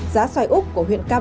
giá xoài úc của huyện công an